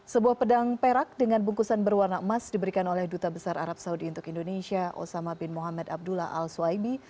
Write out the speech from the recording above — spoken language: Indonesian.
sebuah pedang perak dengan bungkusan berwarna emas diberikan oleh duta besar arab saudi untuk indonesia osama bin muhammad abdullah al suhaimi